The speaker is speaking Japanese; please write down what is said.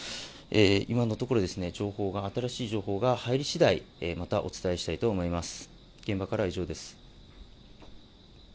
今のところ、新しい情報が入りしだいまたお伝えしたいと思います。